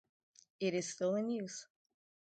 It is still in use.